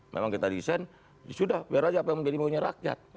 memang kita desain ya sudah biar aja apa yang menjadi maunya rakyat